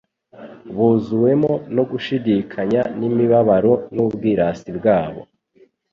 buzuwemo no gushidikanya n'imibabaro n'ubwirasi bwabo;